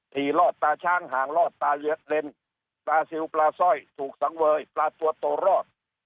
ถี่รอดตาช้างหางรอดตาเลือดเล่นตาสิวปลาสร้อยถูกสังเวยปลาตัวโตรอด